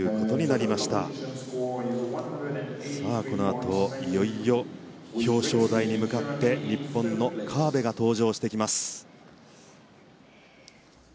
このあといよいよ表彰台に向かって日本の河辺が登場してきます。